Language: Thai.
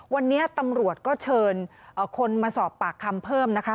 วันนี้ตำรวจก็เชิญคนมาสอบปากคำเพิ่มนะคะ